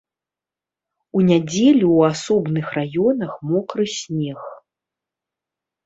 У нядзелю ў асобных раёнах мокры снег.